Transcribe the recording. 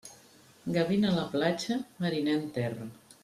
Gavina a la platja, mariner en terra.